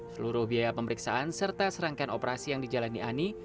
seluruh biaya pemeriksaan serta serangkaian operasi yang dijalani ani